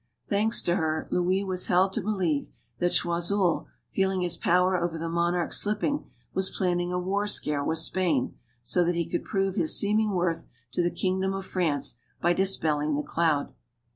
Thanks to her, Louis was held to believe that Choiseul, feeling his power over the monarch slipping, was plan ning a war scare with Spain, so that he could prove his seeming worth to the kingdom of France by dis pelling the cloud.